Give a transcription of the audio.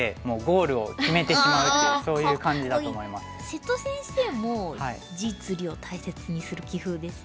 瀬戸先生も実利を大切にする棋風ですよね。